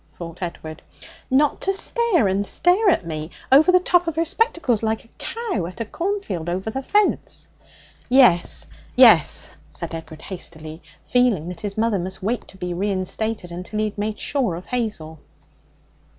thought Edward.) ' Not to stare and stare at me over the top of her spectacles like a cow at a cornfield over the fence?' 'Yes yes,' said Edward hastily, feeling that his mother must wait to be reinstated until he had made sure of Hazel.